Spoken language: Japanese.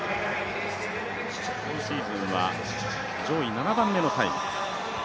今シーズンは上位７番目のタイム。